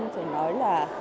thì nói là